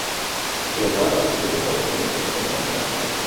কিন্তু এরপর চিকিৎসকদের পরামর্শে নিয়মিত চিকিৎসা নিয়ে এখন আমি অনেকটাই সুস্থ।